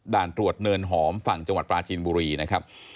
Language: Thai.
ด่านตรวจเนินหอมฝั่งจังหวัดปลาจีนบุรีนะครับ